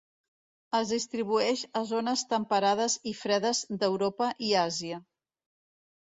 Es distribueix a zones temperades i fredes d'Europa i Àsia.